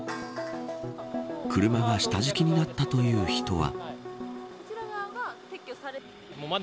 車が下敷きになったという人は。